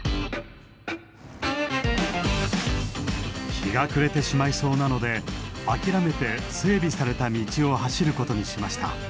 日が暮れてしまいそうなので諦めて整備された道を走ることにしました。